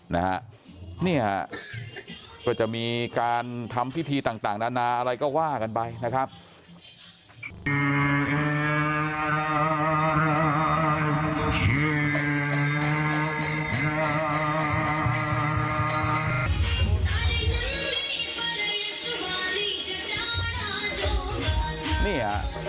นี่จะมีการทำพิธีต่างนานาอะไรก็ว่ากันไว้